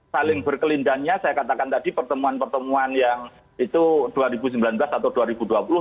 saling berkelindangnya saya katakan tadi pertemuan pertemuan yang itu dua ribu sembilan belas atau dua ribu dua puluh